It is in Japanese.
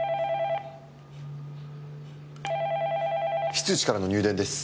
非通知からの入電です。